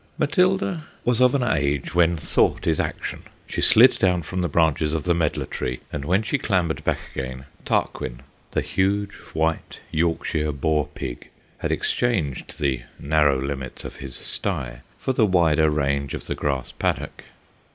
Matilda was of an age when thought is action; she slid down from the branches of the medlar tree, and when she clambered back again Tarquin, the huge white Yorkshire boar pig, had exchanged the narrow limits of his stye for the wider range of the grass paddock.